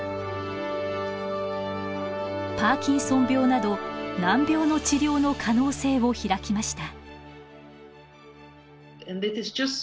パーキンソン病など難病の治療の可能性を開きました。